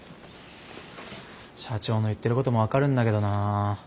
社長の言ってることも分かるんだけどな。